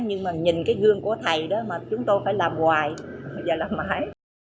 nhưng mà nhìn cái gương của thầy đó mà chúng tôi phải làm hoài và làm mãi